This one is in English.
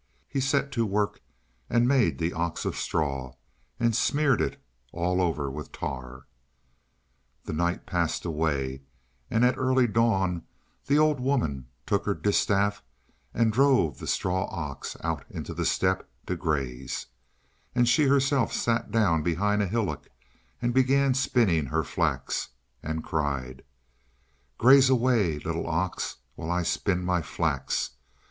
He set to work and made the ox of straw, and smeared it all over with tar. The night passed away, and at early dawn the old woman took her distaff, and drove the straw ox out into the steppe to graze, and she herself sat down behind a hillock, and began spinning her flax, and cried: "Graze away, little ox, while I spin my flax.